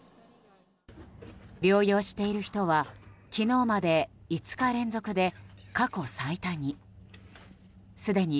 療養している人は昨日まで５日連続で過去最多に。